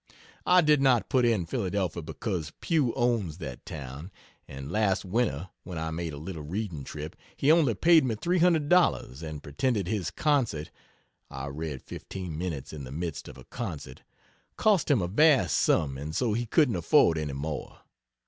I did not put in Philadelphia because Pugh owns that town, and last winter when I made a little reading trip he only paid me $300 and pretended his concert (I read fifteen minutes in the midst of a concert) cost him a vast sum, and so he couldn't afford any more.